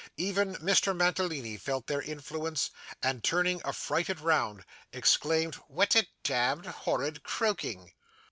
Even Mr. Mantalini felt their influence, and turning affrighted round, exclaimed: 'What a demd horrid croaking!